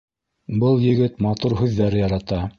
Был егет матур һүҙҙәр ярата.